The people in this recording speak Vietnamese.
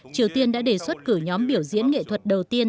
triều tiên đã đề xuất cử nhóm biểu diễn nghệ thuật đầu tiên